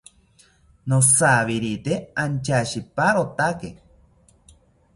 Nojawirite anchaishipawotake